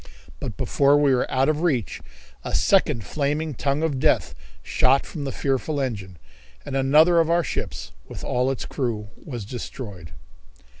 But before we were out of reach a second flaming tongue of death shot from the fearful engine, and another of our ships, with all its crew, was destroyed.